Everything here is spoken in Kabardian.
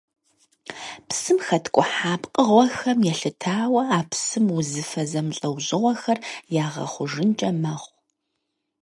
Псым хэткӀухьа пкъыгъуэхэм елъытауэ а псым узыфэ зэмылӀэужьыгъуэхэр ягъэхъужынкӀэ мэхъу.